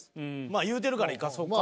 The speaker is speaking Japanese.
まあ言うてるからいかそうか。